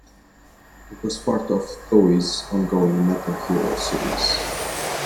It was part of Toei's ongoing Metal Hero Series.